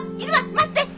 待って！